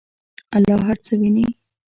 الله هر څه ویني.